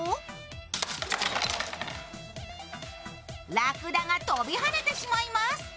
ラクダが飛びはねてしまいます。